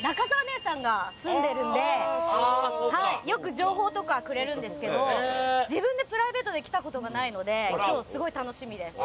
私はですねよく情報とかくれるんですけど自分でプライベートで来たことがないので今日すごい楽しみです。